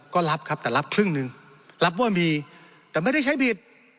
ก็รับครับแต่รับครึ่งหนึ่งรับว่ามีแต่ไม่ได้ใช้ผิด